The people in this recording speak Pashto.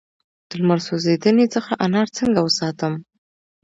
د لمر سوځیدنې څخه انار څنګه وساتم؟